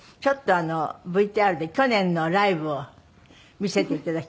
ちょっとＶＴＲで去年のライブを見せて頂きます。